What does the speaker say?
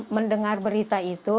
mendengar berita itu